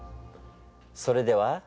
それでは。